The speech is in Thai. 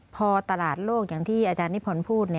พอตลาดโลกอย่างที่อาจารย์นิพนธ์พูด